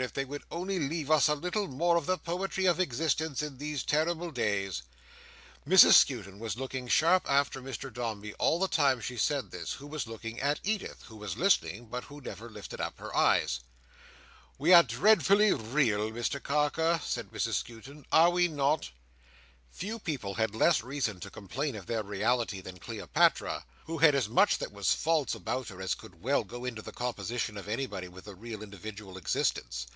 If they would only leave us a little more of the poetry of existence in these terrible days!" Mrs Skewton was looking sharp after Mr Dombey all the time she said this, who was looking at Edith: who was listening, but who never lifted up her eyes. "We are dreadfully real, Mr Carker," said Mrs Skewton; "are we not?" Few people had less reason to complain of their reality than Cleopatra, who had as much that was false about her as could well go to the composition of anybody with a real individual existence.